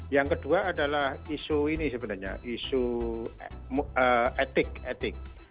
yang kedua adalah isu ini sebenarnya isu etik etik